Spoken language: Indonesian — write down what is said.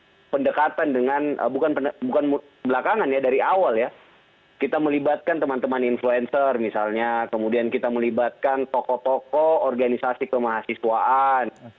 jadi pendekatan dengan bukan belakangan ya dari awal ya kita melibatkan teman teman influencer misalnya kemudian kita melibatkan tokoh tokoh organisasi kemahasiswaan